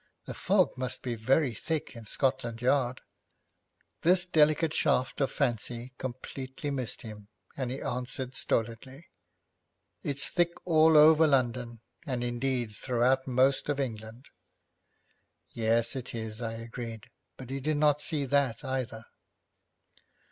The fog must be very thick in Scotland Yard.' This delicate shaft of fancy completely missed him, and he answered stolidly, 'It's thick all over London, and, indeed, throughout most of England.' 'Yes, it is,' I agreed, but he did not see that either.